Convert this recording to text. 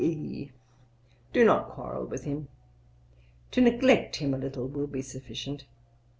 do not quarrel with him; to neglect him a little will be sufficient.